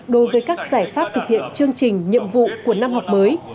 đối với các giải pháp thực hiện chương trình nhiệm vụ của năm học mới